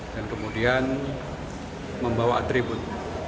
dan kemudian membawa tribut